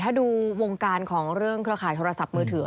ถ้าดูวงการของเรื่องเครือข่ายโทรศัพท์มือถือ